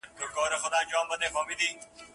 د لمر په وړانګو کي به نه وي د وګړو نصیب